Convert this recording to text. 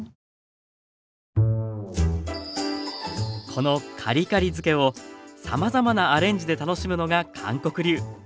このカリカリ漬けをさまざまなアレンジで楽しむのが韓国流。